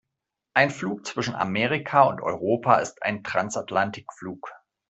Ein Flug zwischen Amerika und Europa ist ein Transatlantikflug.